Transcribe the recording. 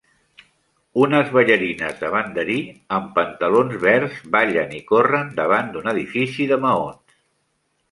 Unes ballarines de banderí amb pantalons verds ballen i corren davant d'un edifici de maons